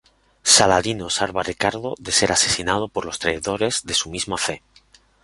Saladino salva a Ricardo de ser asesinado por los traidores de su misma fe.